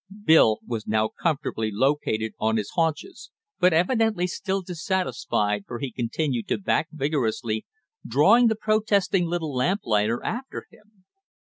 Bill was now comfortably located on his haunches, but evidently still dissatisfied for he continued to back vigorously, drawing the protesting little lamplighter after him.